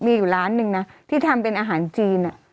มีอยู่ร้านหนึ่งนะที่ทำเป็นอาหารจีน